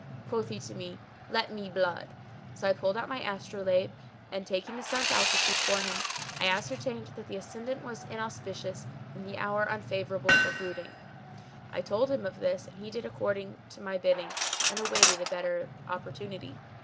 Quoth he to me, 'Let me blood;' so I pulled out my astrolabe and, taking the sun's altitude for him, I ascertained that the ascendant was inauspicious and the hour unfavourable for blooding. I told him of this, and he did according to my bidding and awaited a better opportunity.